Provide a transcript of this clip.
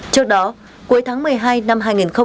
trước đó cuối tháng một mươi hai năm hai nghìn hai mươi ba